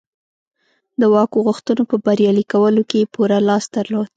د واک غوښتونکو په بریالي کولو کې یې پوره لاس درلود